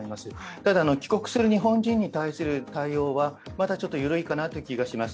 ただ帰国する日本人に対する対応は、まだちょっと緩いかなという気がします。